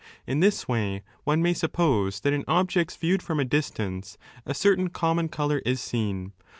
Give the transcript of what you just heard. In this way one may suppose that in objects viewed from a distance a certain common colour is seen.